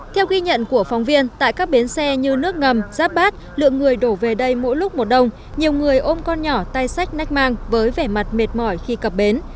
theo ghi nhận của phóng viên tại các bến xe như nước ngầm giáp bát lượng người đổ về đây mỗi lúc một đông nhiều người ôm con nhỏ tay sách nách mang với vẻ mặt mệt mỏi khi cập bến